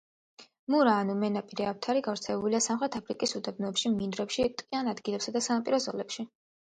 მურა ანუ მენაპირე აფთარი გავრცელებულია სამხრეთ აფრიკის უდაბნოებში, მინდვრებში, ტყიან ადგილებსა და სანაპირო ზოლებში.